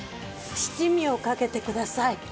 七味をかけてください。